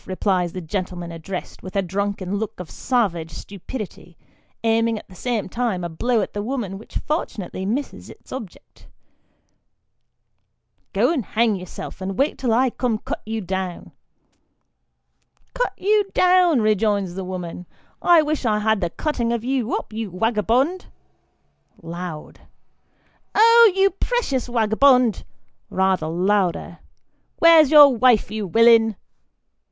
" replies the gentleman addressed, with a drunken look of savage stupidity, aiming at the same time a blow at the woman which fortunately misses its object. "Go and hang yourself; and wait till I come and cut you down." " Cut you down," rejoins the woman, " I wish I had the cutting of you up, you wagabond ! (loud.) Oh ! you precious wagabond ! (rather louder.) Where's your wife, you willin